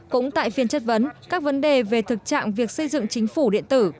cũng tại phiên chất vấn các vấn đề về thực trạng việc xây dựng chính phủ điện tử